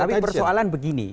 tapi persoalan begini